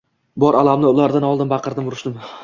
Bor alamimni ulardan oldim, baqirdim, urishdim